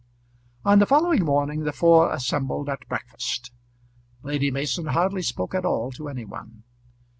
On the following morning the four assembled at breakfast. Lady Mason hardly spoke at all to any one.